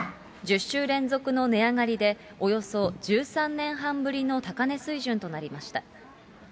１０週連続の値上がりで、およそ１３年半ぶりの高値水準となりました。